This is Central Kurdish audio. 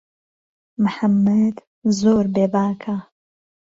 محەممەد زۆر بێ باکه